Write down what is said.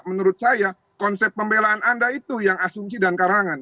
menurut saya konsep pembelaan anda itu yang asumsi dan karangan